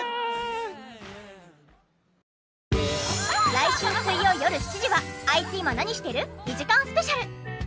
来週水曜よる７時は『あいつ今何してる？』２時間スペシャル。